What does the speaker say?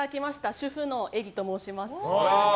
主婦のえりと申します。